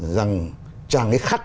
rằng chàng ấy khắt